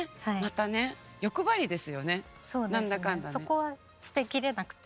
そこは捨てきれなくて。